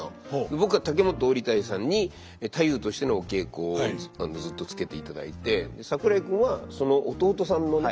僕は竹本織太夫さんに太夫としてのお稽古をずっとつけていただいて桜井君はその弟さんのね。